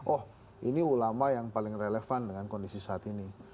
oh ini ulama yang paling relevan dengan kondisi saat ini